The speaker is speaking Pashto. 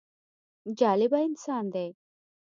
جالبه انسان دی.